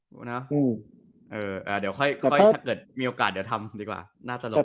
เดี๋ยวถ้าเกิดมีโอกาสเดี๋ยวทำดีกว่าน่าจะโรคผิด